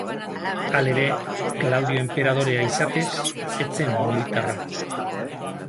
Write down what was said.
Halere, Klaudio enperadorea izatez ez zen militarra.